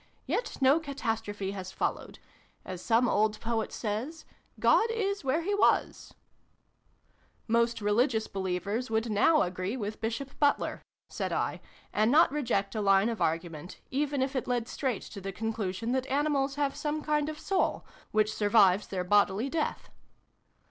Yet no catastrophe has followed. As some old poet says, ' God is where he was' '" Most religious believers would now agree with Bishop Butler," said I, "and not reject a line of argument, even if it led straight to the conclusion that animals have some kind of soul, which survives their bodily death."